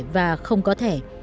và không có thẻ